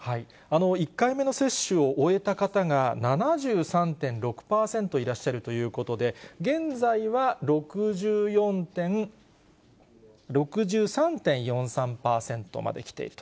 １回目の接種を終えた方が、７３．６％いらっしゃるということで、現在は６３．４３％まできていると。